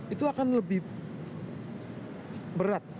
itu akan lebih berat